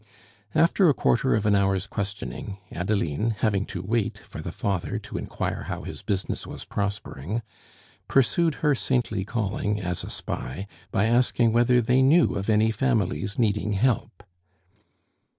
After a quarter of an hour's questioning, Adeline, having to wait for the father to inquire how his business was prospering, pursued her saintly calling as a spy by asking whether they knew of any families needing help.